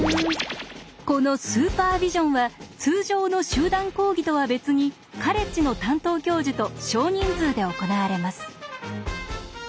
このスーパービジョンは通常の集団講義とは別にカレッジの担当教授と少人数で行われます。